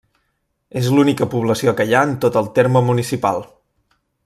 És l'única població que hi ha en tot el terme municipal.